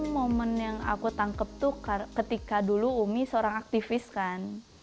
momen yang aku tangkep tuh ketika dulu umi seorang aktivis kan